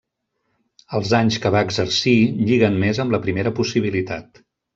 Els anys que va exercir lliguen més amb la primera possibilitat.